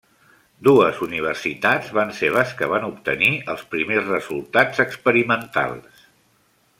Dues universitats van ser les que van obtenir els primers resultats experimentals.